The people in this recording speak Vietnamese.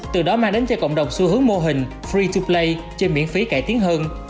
từ đó mang đến cho cộng đồng xu hướng mô hình free to play chơi miễn phí cải thiến hơn